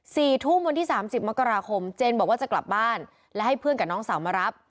สี่ทุ่มวันที่สามสิบมกราคมเจนบอกว่าจะกลับบ้านและให้เพื่อนกับน้องสาวมารับ